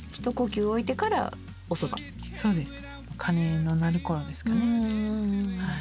鐘の鳴る頃ですかねはい。